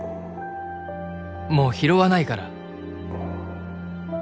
もう拾わないから。